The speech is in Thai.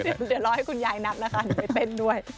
เดี๋ยวรอให้คุณยายนัดนะคะเดี๋ยวไปเต้นด้วย